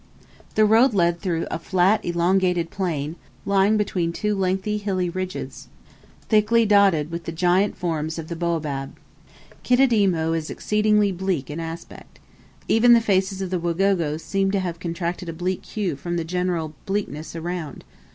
The road led through a flat elongated plain, lying between two lengthy hilly ridges, thickly dotted with the giant forms of the baobab. Kididimo is exceedingly bleak in aspect. Even the faces of the Wagogo seemed to have contracted a bleak hue from the general bleakness around.